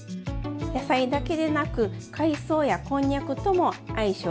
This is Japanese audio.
野菜だけでなく海藻やこんにゃくとも相性がいいんですよ。